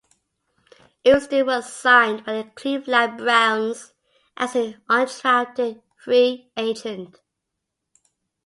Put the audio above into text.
Houston was signed by the Cleveland Browns as an undrafted free agent.